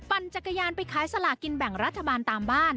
จักรยานไปขายสลากินแบ่งรัฐบาลตามบ้าน